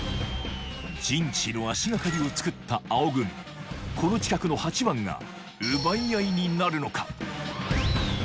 陣地の足掛かりをつくった青軍この近くの８番が奪い合いになるのか？